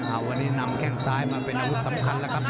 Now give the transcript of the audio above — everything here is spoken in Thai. วันนี้นำแข้งซ้ายมาเป็นอาวุธสำคัญแล้วครับ